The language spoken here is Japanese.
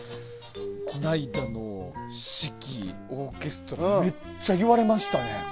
この間の指揮、オーケストラめっちゃ言われましたね。